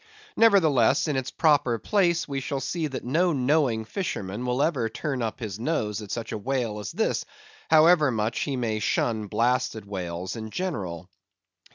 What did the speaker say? Nevertheless, in the proper place we shall see that no knowing fisherman will ever turn up his nose at such a whale as this, however much he may shun blasted whales in general.